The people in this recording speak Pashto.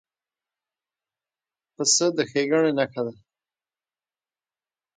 پسه د ښېګڼې نښه ده.